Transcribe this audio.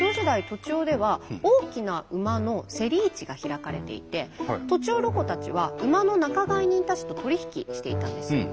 栃尾では大きな馬の競り市が開かれていて栃尾ロコたちは馬の仲買人たちと取り引きしていたんです。